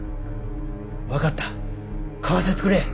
わかった買わせてくれ。